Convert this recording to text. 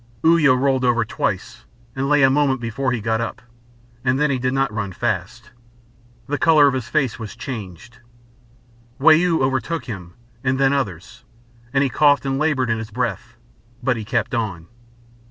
Uya rolled over twice, and lay a moment before he got up, and then he did not run fast. The colour of his face was changed. Wau overtook him, and then others, and he coughed and laboured in his breath. But he kept on.